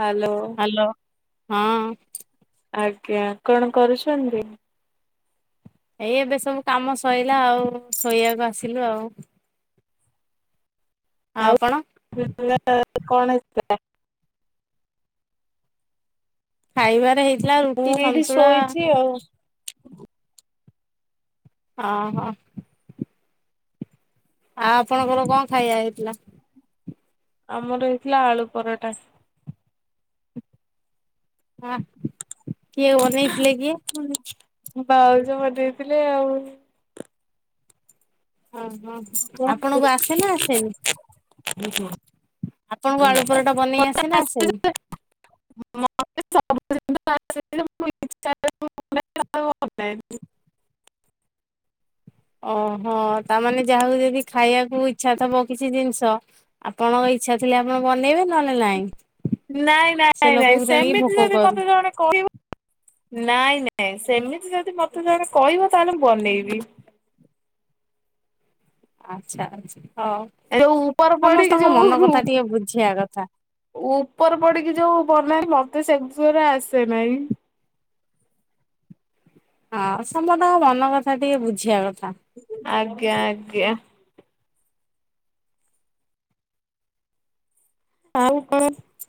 Hello. Hello ହଁ। ଆଜ୍ଞା କଣ କରୁଛନ୍ତି। ଏଇ ଏବେ ସବୁ କାମ ସଇଲା ଆଉ ଶୋଇବାକୁ ଆସିଲୁ ଆଉ। ଆପଣ? [unintelligible] କଣ ହେଇଥିଲା। ଖାଇବାରେ ହେଇଥିଲା ମୁଁ ରୁଟି ଏଇଠି ସନ୍ତୁଳା। [unintelligible] ଅ ହଁ। ଆପଣଙ୍କର କଣ ଖାଇବା ହେଇଥିଲା? ଆମର ହେଇଥିଲା ଆଳୁ ପରଟା। ଆ କିଏ ବନେଇ ବାଉଜ ବନେଇ ଥିଲେ ଆଉ। ଅ ହଁ ଆପଣଙ୍କୁ ଆସେ ନା ଆସେନି? ଆପଣଙ୍କୁ ଆଳୁ ପରଟା ବନେଇ ଆସେ ନା ଆସେନି? ଓହୋ ତାମାନେେ ଯାହାକୁ ଯଦି ଖାଇବାକୁ ଇଚ୍ଛା ଥବ କିଛି ଜିନିଷ ଆପଣଙ୍କ ଇଛା ଥିଲେ ଆପଣ ବନେଇବେ ନହେଲେ ନାଇଁ। ନାଇଁ ସେ ନାଇଁ ଲୋକକୁ ନାଇଁ ତେଣିକି ଭୋକ ସେମିତି ଯଦି କରୁ ମତେ ଜଣେ କହିବ ନାଇଁ ନାଇଁ ସେମିତି ଯଦି ମତେ ଜଣେ କଇବ ବ ତାହେଲେ ମୁଁ ବନେଇବି। ଆଚ୍ଛା ଆଚ୍ଛା ହଉ ଯୋଉ ଉପର ପଡିକି ସମସ୍ତଙ୍କ ମନ ଯୋଉ କଥା ଟିକେ ବୁଝିବା କଥା। ଉପର ପଡିକି ଯୋଉ ବନାଏ ମତେ ସେସୁରା ଆସେ ନାହିଁ। ହଁ ସମତଙ୍କ ମନ କଥା ଟିକେ ବୁଝିବା କଥା। ଆଜ୍ଞା ଆଜ୍ଞା। ଆଉ କଣ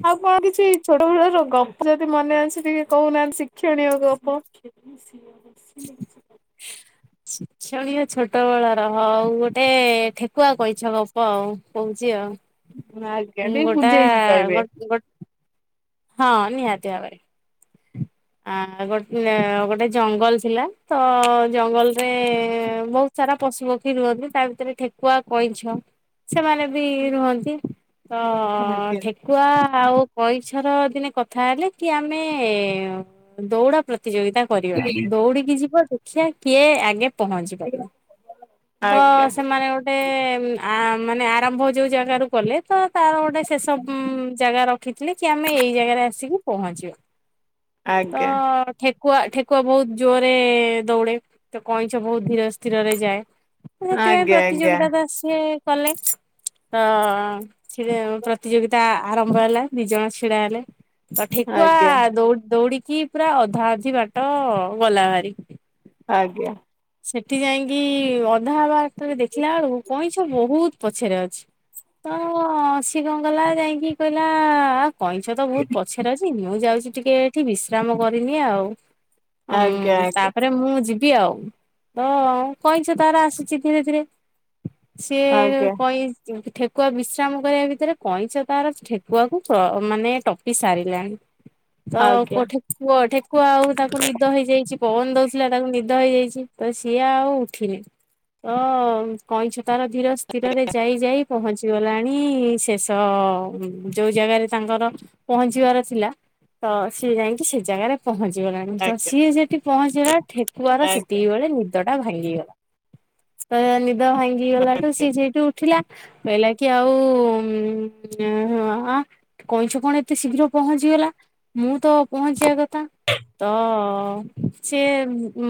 ଆଉ କଣ କିଛି ଛୋଟ ବଳର ଗପ ଯଦି ମନେ ଅଛି ଟିକେ କହୁନାହାନ୍ତି ଶିକ୍ଷଣୀୟ ଗପ। [unintelligible] ଶିକ୍ଷଣୀୟ ଛୋଟ ବଳ ର ହଉ ଗୋଟେ ଠେକୁଆ କଇଁଛ ଗ ଗପ ଆଉ କହୁଚି ଆଉ ଆଜ୍ଞା ଟିକେ ଉଁ ଗୋଟା ବୁଝେଇକି କହିବେ ଗୋଟ ଗୋଟ ହଁ ନିହାତି ଭାବରେ। ଆ ଗୋ ଗୋଟେ ଜଙ୍ଗଲ ଥିଲା ତ ଜଙ୍ଗଲରେ ବହୁତ୍ ସାରା ପଶୁପକ୍ଷୀ ରୁହନ୍ତି ତା ଭିତରେ ଠେକୁଆ କଇଁଛ ସେମାନେ ବି ରୁହନ୍ତି ତ ଆଜ୍ଞା। ଠେ କୁଆ ଆଉ କଇଁଛର ଦିନେ କଥା ହେଲେ କି ଆମେ ମେ ଦୌଡା ପ୍ରତିଯୋଗିତା କରିବା ଦୌଡ଼ିକି ଯିବ ଦେଖିଆ କିଏ ଆଗେ ପହଞ୍ଚି ପାରିବା ତ ଆଜ୍ଞା ସେମାନେ ଗୋ ଗୋଟେ ଆ ମାନେ ଆରମ୍ଭ ଯୋଉ ଜାଗାରୁ କଲେ ତ ତାର ଗୋଟେ ଶେଷ ଉଁ ଜାଗା ର ଥିକଲେକି ଆମେ ଏଇ ଜାଗାରେ ଆସିକି ପହଞ୍ଚିବା ଆଜ୍ଞା ତ କୁଆ ଠେକୁଆ ବହୁତ ଜୋରରେ ଦୌଡେ ତ କଇଁଛ ବହୁତ ଧୀର ସ୍ଥିରରେ ଯାଏ। ସେଥିପାଇଁ ଆଜ୍ଞା ପ୍ରତିଯୋଗିତା ତ ଆସି କଲେ। ତ ପ୍ରତିଯୋଗିତା ଆରମ୍ଭ ହେଲା ଦିଇ ଜଣ ଛିଡା ହେଲେ। ତ ଠେକୁଆ ଆଜ୍ଞା ଦୌଡି ଦୌଡିକି ପୁରା ଅଧା ଅଧି ବାଟ ଗଲା ଭାରି। ଆଜ୍ଞା। ସେଠି ଯାଇକି ଅଧାବାଟରେ ଦେଖିଲା ବେଳକୁ କଇଁଛ ବହୁତ ପଛରେ ଅଛି। ତ ସିଏ କଣ ଗଲା ଯାଇକି କହିଲା କଇଁଛ ତ ବହୁତ ପଛରେ ଅଛି ମୁଁ ଯାଉଛି ଟିକେ ଏଠି ବିଶ୍ରାମ କରିନିଏ ଆଉ। ଆଜ୍ଞା ମୁଁ ତାପରେ ମୁଁ ଯିବି ଆଉ। ତ କଇଁଛ ତାର ଆସୁଛି ଧୀରେ ଧୀରେ ସିଏ ଆଜ୍ଞା କଇଁ ଠେକୁଆ ବିଶ୍ରାମ କରିବା ଭିତରେ କଇଁଛ ତାର ଠେକୁଆକୁ ମାନେ ଟପି ସାରିଲାଣି। [inaudible] ତ ଆଜ୍ଞା ଆଜ୍ଞା ପ ଠେକୁଅ ଠେକୁଆ ଆଉ ତାକୁ ନିଦ ହେଇଯାଇଛି ପବନ ଦଉଥିଲା ତାକୁ ନିଦ ହେଇଯାଇଛି। ତ ସିଏ ଆଉ ଉଠିନି ତ କଇଁଛ ତାର ଧୀର ସ୍ଥିରରେ ଯାଇ ଯାଇ ପହଞ୍ଚି ଗଲାଣି ଶେଷ ଯୋଉ ଜାଗାରେ ତାଙ୍କର ପହଞ୍ଚିବାର ଥିଲା ତ ସିଏ ଯାଇକି ସେ ଜାଗାରେ ପହଞ୍ଚି ଗଲାଣି ତ ସିଏ ସେଠି ପହଞ୍ଚିଲା ଠେକୁଆର ଆଜ୍ଞା ଆଜ୍ଞା। ଆଜ୍ଞା ସେତିକି ବେଳେ ନିଦଟା ଭାଙ୍ଗିଗଲା ତ ନିଦ ଭାଙ୍ଗି ଗଲାଠୁ ସିଏ ସେଠୁ ଉଠିଲା। ବୋଇଲା କି ଆଉ କଇଁଛ କଣ ଏତେ ଶୀଘ୍ର ପହଞ୍ଚିଗଲା ମୁଁ ତ ପହଞ୍ଚିବା କଥା। ତ ସିଏ ଉ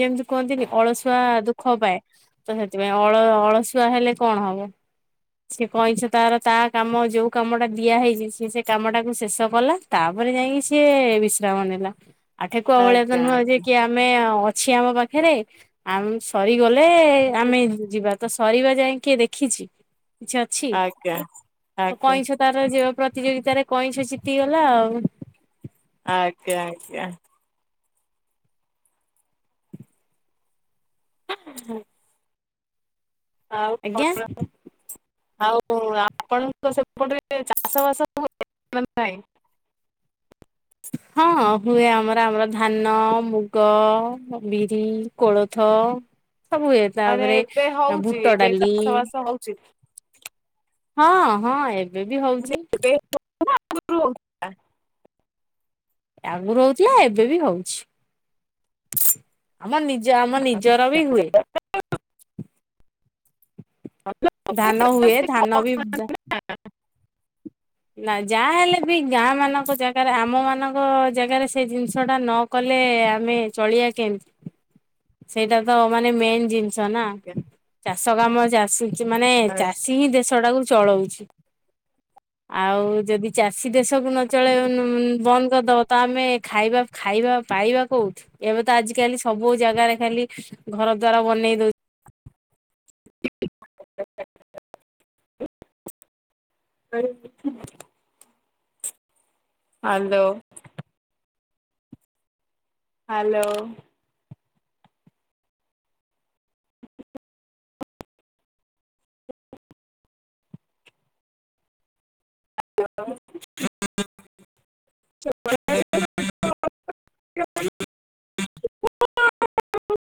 ଯେମିତି କୁହନ୍ତିନି ଅଳସୁଆ ଦୁ ଖ ପାଏ ତ ସେଥିପାଇଁ ଅଳ ଅଳସୁଆ ହେଲେ କଣ ହବ। ସେ କଇଁଛ ତାର ତା କାମ ଯୋଉ କାମଟା ଦିଆ ହେଇଛି ସେ ସେ କାମ ଟାକୁ ଶେଷ କଲା। ତାପରେ ଯାଇକି ସିଏ ବିଶ୍ରାମ ନେଲା। ଆଠେକୁଆ ଭଳିଆ ତ ନୁହଁ ଯେ କି ଆମେ ଅଛି ଆମ ପାଖରେ। ଆମ ସରିଗଲେ ଆମେ ଯିବା ତ ସରିବା ଯାଇ କିଏ ଦେଖିଛି ଛ ଛି ତ କଇଁଛ ତାର ପ୍ରତିଯୋଗିତାରେ କଇଁଛ ଜିତିଗଲା ଆଉ। ଆଜ୍ଞା ଆଜ୍ଞା। [inaudible] ଆଜ୍ଞା [unintelligible] ଆଉ ଆପଣଙ୍କ ସେପଟରେ ଚାଷ ବାସ ହୁଏ ନାଁ ନାହିଁ? ହଁ ହୁଏ ଆମର ଆମର ଧାନ ମୁଗ ବିରି କୋଳଥ। ସବୁ ହୁଏ ମାନେ ତାପରେ ଏବେ ହଉଛି ବୁଟ ଏବେ ଡାଲି। ଚାଷ ବାସ ହଉଛି। ହଁ ହଁ ଏବେ ବି ହଉଛି। [unintelligible] ଆଗରୁ ହଉଥିଲା ଏବେ ବି ହଉଛି। ଆମ ନିଜ ଆମ ନିଜର ବି ହୁଏ। ଧାନ ହୁଏ ଧାନ ବି [inaudible] ନା ଯାହାହେଲେ ବି ଗାଁ ମାନଙ୍କ ଜାଗାରେ ଆମମାନଙ୍କ ଜାଗାରେ ସେ ଜିନିଷ ଟା ନ କଲେ ଆମେ ଚଳିଆ କେମିତି। ସେଇଟା ତ ମାନେ ମେନ୍ ଜିନିଷ ନା ଚାଷ କାମ ଚାଷୀଛି ମାନେ ଚା ଷୀ ହିଁ ଦେଶଟାକୁ ଚଳଉଛି। [inaudible] ଆଉ ଯଦି ଚାଷୀ ଦେଶକୁ ନଚଳେଇ ବନ୍ଦ କରିଦବ ତ ଆମେ ଖାଇବା ଖାଇବା ପାଇବା କୋଉଠୁ ଏବେ ତ ଆଜିିକାଲି ସବୁ ଜାଗାରେ ଖାଲି ଘର ଦ୍ଵାର ବନେଇ ଦଉ [inaudible] ହାଲୋ ହାଲୋ [unintelligible] [unintelligible]